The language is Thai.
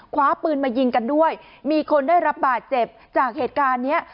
คว้าปืนมายิงกันด้วยมีคนได้รับบาดเจ็บจากเหตุการณ์เนี้ย